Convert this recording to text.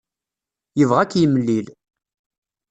Yebɣa ad k-yemlil.